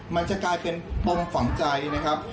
มันจะกลายเป็นปมฝังใจนะครับ